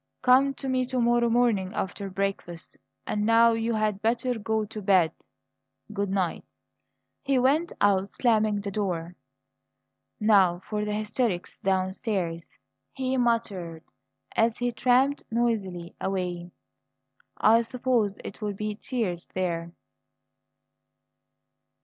Come to me to morrow morning after breakfast. And now you had better go to bed. Good night." He went out, slamming the door. "Now for the hysterics downstairs," he muttered as he tramped noisily away. "I suppose it'll be tears there!"